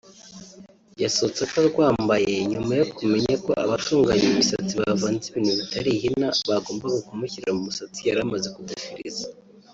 yasohotse atarwambaye nyuma yo kumenya ko abatunganya imisatsi bavanze ibintu bitari ihina bagombaga kumushyirira mu musatsi yaramaze kudefiririza